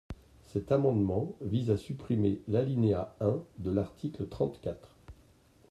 Cet amendement vise à supprimer l’alinéa un de l’article trente-quatre.